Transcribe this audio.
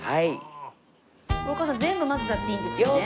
お母さん全部混ぜちゃっていいんですよね？